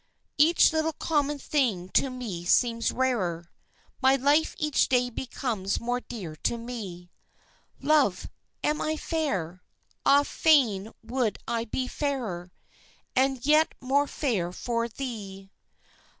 Each little common thing to me seems rarer, My life each day becomes more dear to me; Love, am I fair? Ah, fain would I be fairer And yet more fair for thee.